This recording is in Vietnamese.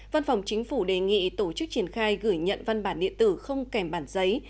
văn phòng chính phủ đề nghị tổ chức triển khai gửi nhận văn bản điện tử không kèm bản giấy